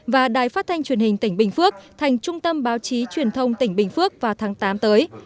và đài phát thanh truyền hình tỉnh bình phước thành trung tâm báo chí truyền thông tỉnh bình phước vào tháng tám tới